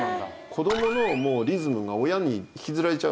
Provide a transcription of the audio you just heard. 子どものリズムが親に引きずられちゃうでしょ。